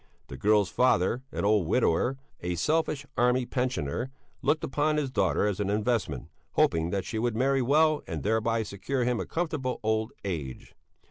The girl's father, an old widower, a selfish army pensioner, looked upon his daughter as an investment, hoping that she would marry well and thereby secure him a comfortable old age.